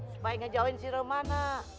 supaya ngejauhin si rumana